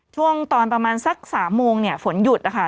ช่วงตอนประมาณสัก๓โมงเนี่ยฝนหยุดนะคะ